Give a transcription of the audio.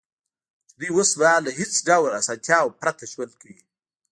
چې دوی اوس مهال له هېڅ ډول اسانتیاوو پرته ژوند کوي